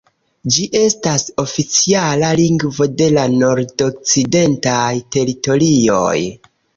Ĝi estas oficiala lingvo de la Nordokcidentaj Teritorioj.